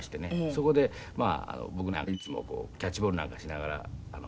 そこで僕なんかはいつもキャッチボールなんかしながら。